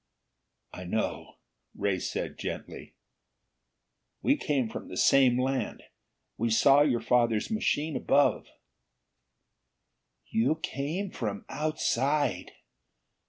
"I know," Ray, said gently. "We came from the same land. We saw your father's machine above." "You came from outside!